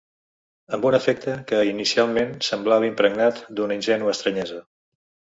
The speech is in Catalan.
Amb un afecte que, inicialment, semblava impregnat d’una ingènua estranyesa.